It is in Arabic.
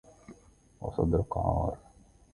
وصدركِ عارٍ